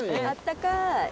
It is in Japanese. あったかい！